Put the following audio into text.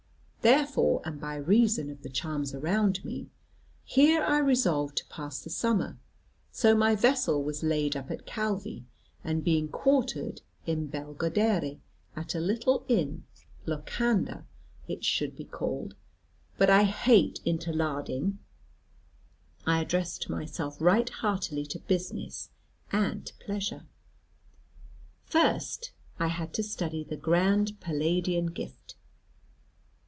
Therefore and by reason of the charms around me, here I resolved to pass the summer; so my vessel was laid up at Calvi, and being quartered in Belgodere at a little Inn "locanda" it should be called, but I hate interlarding I addressed myself right heartily to business and to pleasure. First I had to study the grand Palladian gift.